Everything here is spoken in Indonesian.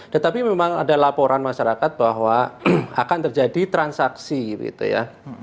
tetapi memang ada laporan masyarakat bahwa akan terjadi transaksi gitu ya